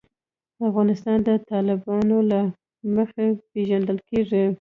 افغانستان د تالابونه له مخې پېژندل کېږي.